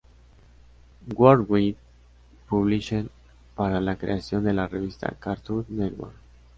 Worldwide Publishing para la creación de La Revista Cartoon Network.